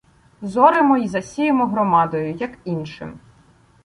— Зоремо й засіємо громадою — як іншим.